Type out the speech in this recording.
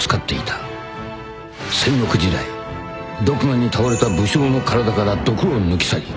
［戦国時代毒牙に倒れた武将の体から毒を抜き去り